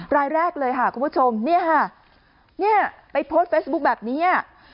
รายแรกเลยคุณผู้ชมนี่ค่ะไปโพสต์เฟซบุ๊กแบบนี้